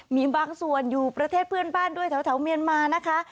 มีบางส่วนอยู่ประเทศเพื่อนบ้านด้วยแถวเมียนมานะคะ